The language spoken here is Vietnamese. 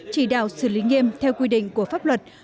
chỉ đạo xử lý nghiêm theo quy định của pháp luật